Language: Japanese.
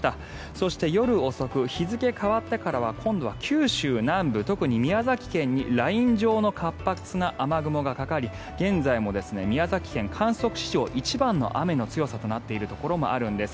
そして、夜遅く日付が変わってからは今度は九州南部、特に宮崎県にライン状の活発な雨雲がかかり現在も宮崎県、観測史上一番の雨の強さとなっているところもあるんです。